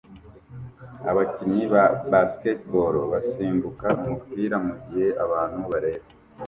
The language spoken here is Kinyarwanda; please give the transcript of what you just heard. Abakinnyi ba Basketball basimbuka umupira mugihe abantu bareba